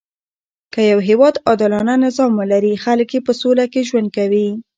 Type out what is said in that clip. که يو هیواد عادلانه نظام ولري؛ خلک ئې په سوله کښي ژوند کوي.